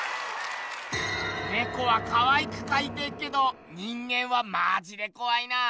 ネコはかわいくかいてっけど人間はマジでこわいな。